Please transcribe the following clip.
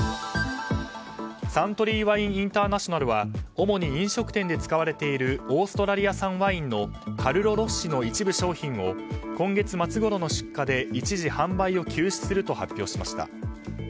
サントリーワインインターナショナルは主に飲食店で使われているオーストラリア産ワインのカルロロッシの今月末ごろの出荷で一時、販売を休止すると発表しました。